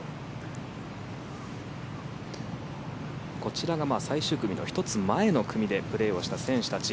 こちらが最終組の１つ前の組でプレーをした選手たち。